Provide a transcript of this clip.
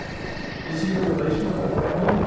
"Is he a relation of the family?"